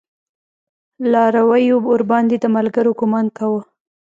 لارويو ورباندې د ملګرو ګمان کوه.